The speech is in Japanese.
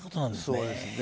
そうですね。